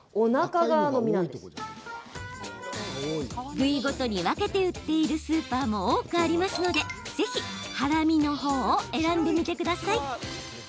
部位ごとに分けて売っているスーパーも多くありますのでぜひ腹身のほうを選んでみてください。